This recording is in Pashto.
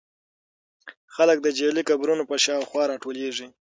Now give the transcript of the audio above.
خلک د جعلي قبرونو په شاوخوا راټولېږي.